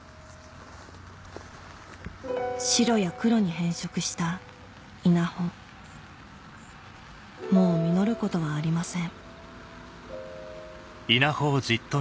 白や黒に変色した稲穂もう実ることはありません